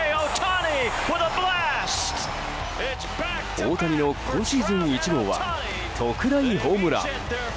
大谷の今シーズン１号は特大ホームラン！